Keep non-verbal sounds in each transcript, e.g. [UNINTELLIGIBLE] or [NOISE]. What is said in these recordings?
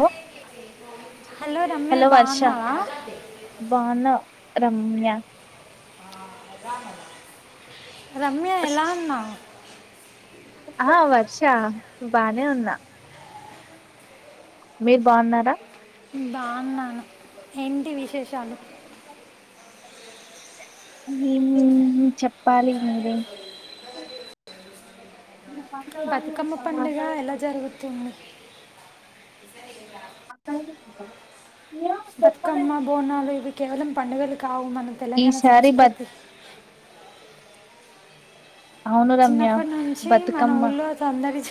ఓ Ramya hello Varsha బాగున్నావా బన రమ్యా రమ్యా ఎలా ఉన్నావ్ ఆ వర్ష బానే ఉన్నా మీరు బాన్నారా బాన్నాను ఎంటివి అ మ్ చెప్పాలి మీరే బతుకమ్మ పండుగ ఎలా జరుగుతుంది అకాయి ఉంటా బతుకమ్మ బోనాలు ఇవి కేవలం పండుగలు కావు మన తెలంగాణ ఈసారి బత్ సంస్కృతి అవును రమ్య చిన్నప్పటి నుంచి మన బతుకమ్మ ఊళ్ళో సందడి చ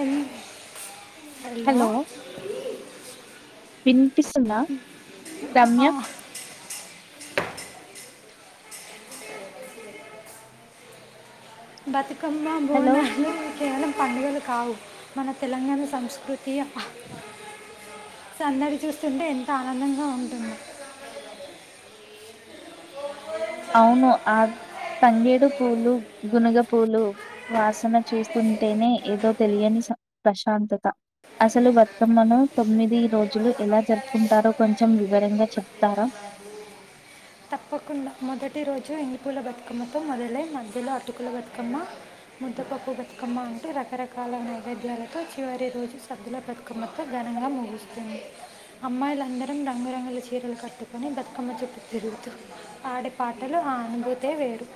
ఎం హలో వినిపిస్తుంద ఆ బతుకమ్మా హలో బోనాలు కేవలం పండుగలు కావు మన తెలంగాణ సంస్కృతి అహ్హ్ సందడి చూస్తుంటే ఎంత ఆనందంగా ఉంటుందో అవును ఆద్ తంగేడు పూలు గునుగ పూలు వాసన చూస్తుంటేనే ఏదో తెలియని స ప్రశాంతత అసలు బతుకమ్మను తొమ్మిది రోజులు ఎలా జరుపుకుంటారో కొంచెం వివరంగా చెప్తారా తప్పకుం మొదటి రోజు ఎంగిలిపూల బతుకమ్మతో మొదలై మధ్యలో అటుకుల బతుకమ్మ ముద్దప్పపుబత్కమా టు రకరకాల నైవేద్యాలతో చివరి రోజు సద్దుల బతుకమ్మతో ఘనంగా ముగుస్తుంది అమ్మాయిలందరం రంగురంగుల చీరలు కట్టుకొని బతుకమ్మ చుట్టు తిరుగుతూ ఆడ పాటలు ఆ అనుభూతే వేరు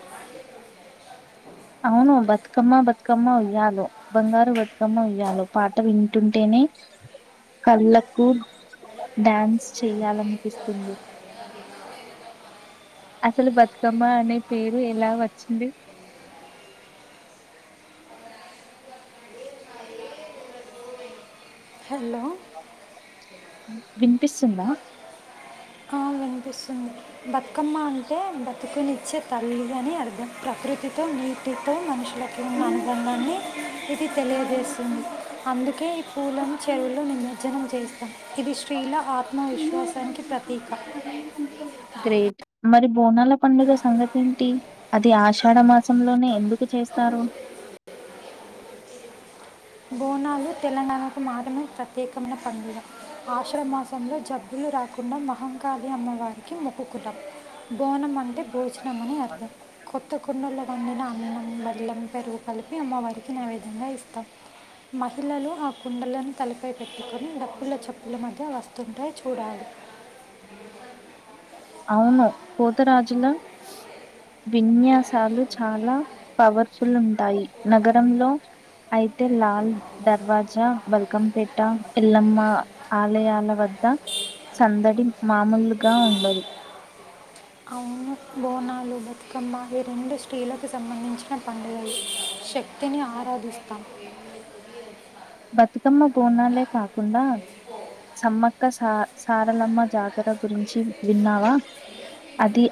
అవును బతుకమ్మ బతుకమ్మ ఉయ్యాలో బంగారు బతుకమ్మ ఉయ్యాాలో పాట వింటుంటేనే అ కళ్ళకు డాన్స్ చేయాలనిపిస్తుంది అసలు బతుకమ్మ అనే పేరు ఎలా వచ్చింది హలో ఉ వినిపిస్తుందా ఆ, వినిపిస్తుంది బతుకమ్మ అంటే బతుకునిచ్చే తల్లి అని అర్థం ప్రకృతితో నీటితో మనుషి వాళకి ఉన్న అనుబంధాన్ని ఇది తెలియజేస్తుంది అందుకే పూలను చెరువులో నిమజ్జనం చేస్తాం ఇది స్త్రీల ఆత్మవిశ్వాసానికి ప్రతీక అ [UNINTELLIGIBLE] గ్రేట్ మరి బోనాల పండుగ సంగతి ఏంటి అది ఆషాఢ మాసంలోనే ఎందుకు చే చేస్తారు బోనాలు తెలంగాణకు మాత్రమే ప్రత్యేకమైన పండుగ ఆషడమాసంలో జబ్బులు కాకుండ మహంకాళి అమ్మవార్కి మొక్కుకుంటాం బోనం మన్ టే భోచనం అని అర్థం కొత్త కుండల వండిన అన్నం బెల్లం పెరుగు కలిపి అమ్మవారికి నైవేద్యంగ ఇస్తాం మహిళలు ఆ కుండలను తలపై పెట్టుకొని డప్పుల్ల చప్పుల్ల మధ్య వస్తుంటే చూడాలి ఔను పోతరాజుల విన్యాసాలు చాలా పవర్ఫుల్ ఉంటాయి నగరంలో ఐతే లాల్ దర్వాజా బల్కంపేట ఎల్లమ్మా ఆలయాల వద్ ట సందడి మామూల్గా ఉండదు అవును అండ్ స్త్రీలకు సంబంధించిన పండుగ ఇది శక్తిని ఆరాధిస్తాం బతుకమ్మ బోనాలే కాకుండా సమ్మక్క సా సారలమ్మ జాతర గురించి విన్నావా అది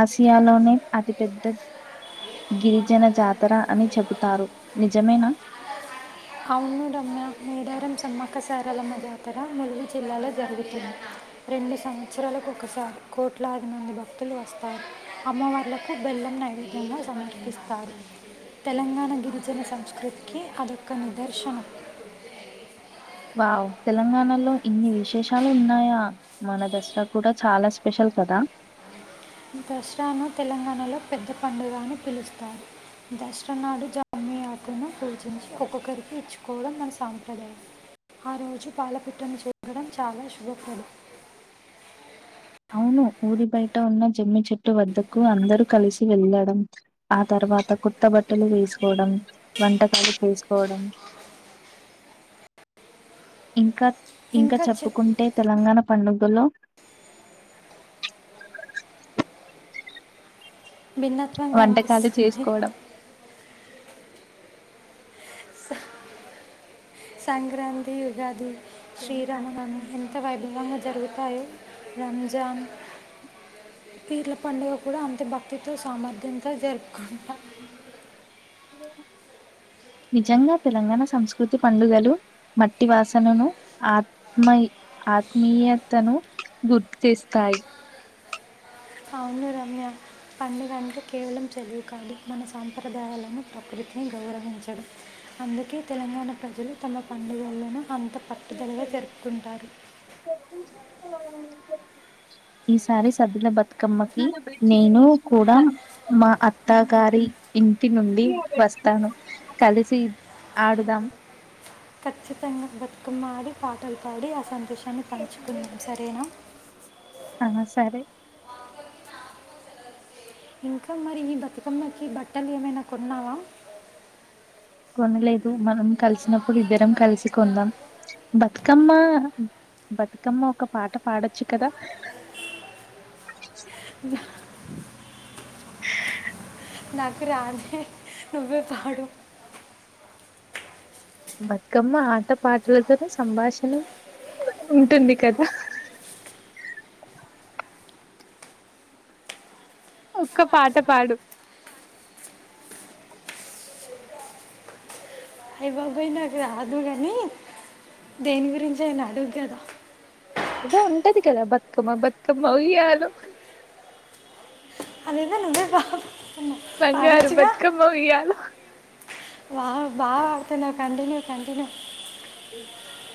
ఆసియాలోనే అతిపెద్దద్ గిరిజన జాతర అని చెబుతారు నిజమేనా ఔనుడమ్యా మేడారం సమ్మక్కసారాలమ్మ జాతర ములుగు జిల్లాలో జరుగుతున్నాయ్. రెండు సంవస్సరాలకు ఒకసారి కోట్లాది మంది భక్తులు వస్తారు, అమ్మవార్లకు బెల్ నైవేద్యంగా సమర్పిస్తారు, తెలంగాణ గిరిజన సంస్కృతికి అదొక్ ఒక్క నిదర్శనం. వావ్ తెలంగాణలో ఇన్ని విశేషాలు ఉన్నాయా? మన దసరా కూడా చాలా స్పెషల్ కదా దస్రాను తెలంగాణలో పెద్ద పండుగ అని పిలుస్తారు, దస్రానాడు జామి మీ ఆకుల్ను పూజించి ఒక్కొక్కరికి ఇచ్చుకోవడం మన సాంప్రదాయం. ఆ రోజు పాల పిట్టను చేరడం చాలా శుభప్రదం. ఔను ఊరి బయట ఉన్న జమ్మి చెట్టు వద్దకు అందరూ కలిసి వెళ్ళడం, ఆ తర్వాత్ త కొత్త బట్టలు వేస్కోడం, వంటకాలు చేస్కోవడం ఇంకాత్ ఇంక ఇంకా చె- చెప్పుకుంటే తెలంగాణ పండుగలో భిన్నత్వం వంటకాలు గన్పిస్తుంది. చేసుకోవడం స- సంక్రాంతి యుగాది, శ్రీరామ నవమి, ఎంత వైభవంగా జరుగు తాయో రంజాన్ పీర్ల పండుగ కూడా అంతె భక్తితో సామర్థ్యంతో జర్పుకుంటాం. నిజంగా తెలంగాణ సంస్కృతి పండుగలు మట్టి వాసనను ఆత్మయ్ ఆత్మీయతను గుర్తు చేస్తాయి. ఔను రమ్య పండుగ అంటె కేవలం చదువు కాదు, మన సాంప్రదాయాలను ప్రకృతిని గౌరవించడం, అందుకే తెలంగాణ ప్రజలు తమ పండుగులను అంత పట్టుదలగ జర్పుకుంటారు. ఈసారి సద్దుల బతుకమ్మకీ నేనూ కూడా మా అత్తగారి ఇంటి నుండి వస్తాను, కలిసి ఆడుదాం. ఖచ్చితంగా బతుకమ్మాడీ పాటల్ పాడీ ఆ సంతోశాన్ని పంచుకుందాం సరేనా. ఆ సరే ఇంక మరి ఈ బతుకమ్మకీ బట్టలేమైన కొన్నావా? కొనలేదు మనం కలిసినప్పుడు ఇద్దరం కల్సి కొందాం, బతుకమ్మా బతుకమ్మ ఒక పాట పాడొచ్చు కదా. దా నాకు రాధే నువ్వే పాడు. బతుకమ్మ ఆట పాటలతోనే సంభాషణ. ఉంటుంది కదా. [UNINTELLIGIBLE] ఒక్క పాట పాడు అయి బాబోయ్ నాకు రాదు గనీ, దేని గురించి ఆయన అడుగు గదా ఏదో ఉంటది కదా బతుకమ్మ బతుకమ్మ ఉయ్యాలొ అదేదో నువ్వే బా బంగారు బతుకమ్మ ఉయ్యాలొ. వావ్ బాగ పాడుతున్నావ్ కంటిన్యూ కంటిన్యూ.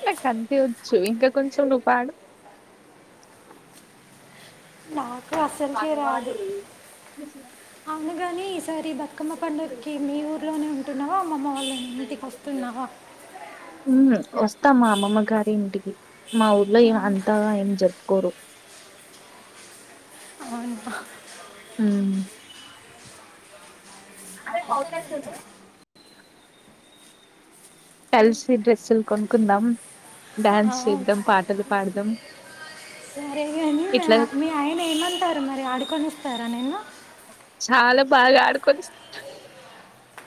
నాకంతే వచ్చు ఇంకా కొంచెం నువ్ పాడు. నాకు అసల్కే రాదు, అవును గాని ఈసారి బతుకమ్మ పండక్కి మీ ఊర్లోనే ఉంటున్నావా? అమ్మమ్మ వాళ్ళ ఇంటికి ఒస్తున్నావా? [UNINTELLIGIBLE] ఉమ్ ఒస్తం మా అమ్మమ్మ గారి ఇంటికి, మా ఊర్లో ఏ అంతగా ఏం జరుపుకోరు. [UNINTELLIGIBLE] [UNINTELLIGIBLE] హ్మ్ అరే పౌచ్ ఎక్కడ ఉందిరా కలిసి డ్రెస్సులు కొనుక్కుందాం ఆ, డ్యాన్స్ చేద్దం పాటలు పాడుదాం సరేగాని మీ మీ అంటారు మరి ఆడుకొనిస్తార నిన్ను చాలా బాగా ఆడుకొనిస్తారు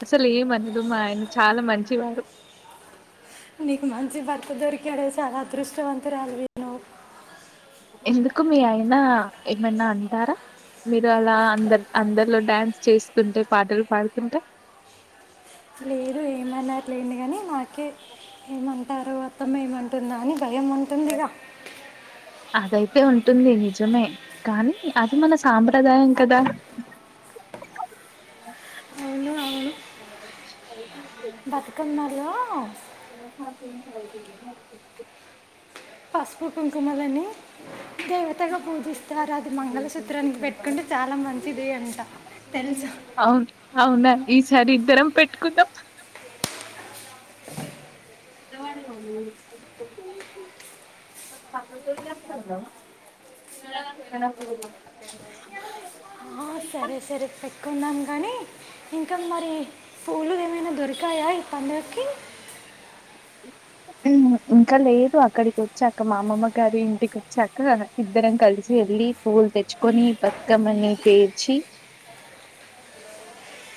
అసలు ఏమనడు మా ఆయన చాలా మంచివారు నీకు మంచి భర్త దొరికాడే చాలా అదృష్టవంతురాలివి నువ్వు ఎందుకు మీ ఆయనా ఏమన్నా అంటార మీరు అలా అందరు అందరిలో డ్యాన్స్ చేస్తుంటే పాటలు పాడుతుంటే లేదు ఏమనరు లేండి గానీ కే ఏమంటారో అత్తమ్మ ఏమంటుందో అని భయం ఉంటుందిగా అదైతే ఉంటుంది నిజమే కాని అది మన సాంప్రదాయం కదా [UNINTELLIGIBLE] అవును [UNINTELLIGIBLE] బతుకమ్మలో [UNINTELLIGIBLE] పసుపు కుంకుమలని దేవతగా పూజిస్తారు అది మంగళసూత్రానికి పెట్టుకుంటే చాలా మంచిది అంట తెలుసు అవును. అవునా అండీ ఈ సారి ఇద్దరం పెట్టుకుందం [UNINTELLIGIBLE] పిల్లగాళ్ళు దడ బుడా ఆ, సరే సరే పెట్టుకుందాం గానీ ఇంక మరి పూలు ఏమైనా దొరుకు తాయా ఈ పండగకి [UNINTELLIGIBLE] ఉమ్ ఇంకా లేదు అక్కడికి వచ్చాక మా అమ్మమ్మ గారి ఇంటికి వచ్చాక ఇద్దరం కలిసి వెళ్ళ ళ్ళి పూలు తెచ్చుకొని బతుకమ్మని పేర్చి [UNINTELLIGIBLE]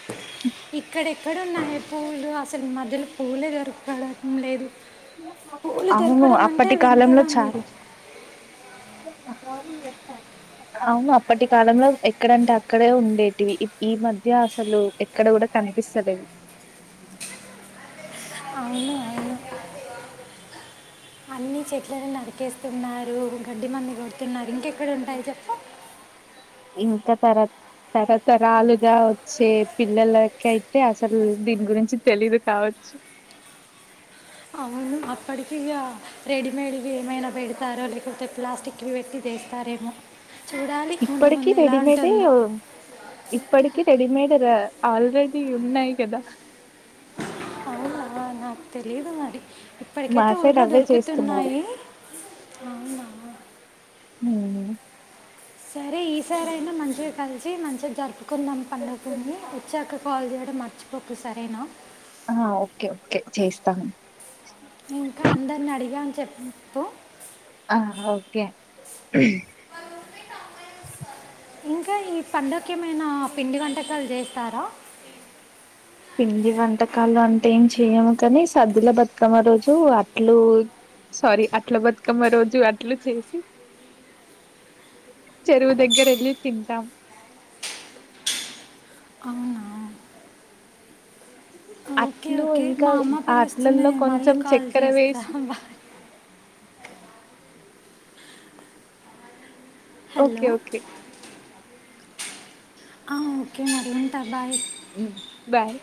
ఇక్కడెక్కడ ఉన్నాయి పూలు అసలు ఈ మధ్యలో పూలే దొరకడం లేదు పూలు అవును దొరకడం అంటే, అప్పటి వింతగా ఉంది. [UNINTELLIGIBLE] జెప్పా. అవును అప్పటి కాలంలో ఎక్కడంటే అక్కడే ఉండేటివి. ఇప్ ఈ మధ్య అసలు ఎక్కడ గుడా, కనిపిస్తలేదు. అవును. అవును అన్ని చెట్లలను నరికేస్తున్నారు, గడ్డి మందు గొడుతున్నారు, ఇంకెక్కడ ఉంటాయి చెప్పు. ఇంకా తరత్. తరతరాలుగా వచ్చే పిల్లలకి అయితే అసలు దీని గురించి తెలీదు కావచ్చు అవును అప్పటికి ఇగ రెడీమేడ్వి ఏమైనా పెడతారో, లేక్పోతే ప్లాస్టిక్వి బెట్టి పేస్తారేమో. చూడాలి ముందు, ఇప్పటికి ముందు ఎలా రెడీమేడే ఉంటుందో. ఇప్పటికి రెడీమేడ్ [UNINTELLIGIBLE] ఆల్రెడీ ఉన్నాయి గదా. నాక్ తెలిదు మరీ. మా ఇప్పటికైతే సైడ్ ఊర్లో అవే చేస్తున్నారు దొరుకుతున్నాయి. మేము. సరే ఈసారైనా మంచిగా కలిసి మంచిగా జరుపుకుందాం, పండుగ [UNINTELLIGIBLE] వచ్చాక, కాల్ జేయడం మర్చిపోకు సరేనా. ఆ ఓక్కే ఓక్కే చేస్తాను. ఇంకా అందరిని అడిగా అని చెప్ ప్పు. ఆ ఓకే ఇంకా ఈ పండకేమైన పిండి వంటకాలు చేస్తార పిండి వంటకాలు అంటే ఏం చెయము కానీ సద్దుల బతుకమ్మ రోజు అట్లు సారీ అట్ల బతుకమ్మ రోజు అట్లు చేసి ఇ చెరువు దగ్గర వెళ్ళి తింటాం అవునా ఓకే అట్లు ఓకే ఇంకా మా అమ్మ ఆ పిలుస్తుంది అట్లల్లో నేను మళ్ళీ కొంచెం కాల్ చక్కెర చేస్తా వేసి bye hello okay okay okay మరి ఉంట బాయ్ హ్మ్. బాయ్